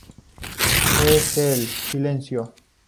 ¡ Es él! ¡ silencio!